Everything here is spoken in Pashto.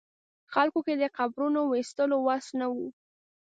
خلکو کې د قبرونو ویستلو وس نه و.